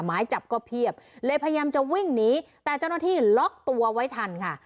หมายจับก็เพียบเลยพยายามจะวิ่งหนีแต่เจ้าหน้าที่ล็อกตัวไว้ทันค่ะ